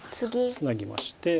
ツナぎまして。